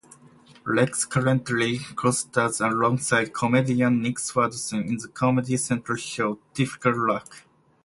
Rex currently co-star's along-side comedian Nick Swardson in the Comedy Central show, "Typical Rick".